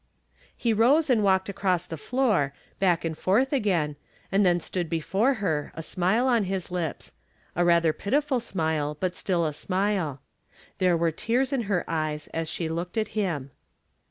He rose and walked across the floor, back and forth again, and then stood before her, a smile on his lips a rather pitiful smile, but still a smile. There were tears in her eyes as she looked at him.